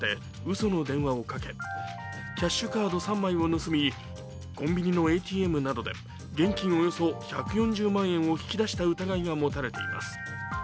その電話をかけキャッシュカード３枚を盗み、コンビニのＡＴＭなどで現金およそ１４０万円を引き出した疑いが持たれています。